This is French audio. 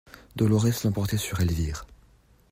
Dolorès l'emportait sur Elvire.